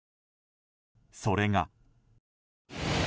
それが。